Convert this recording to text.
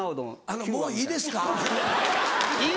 もういいですか？